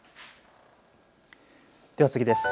では次です。